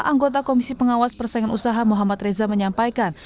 anggota komisi pengawas persaingan usaha muhammad reza menyampaikan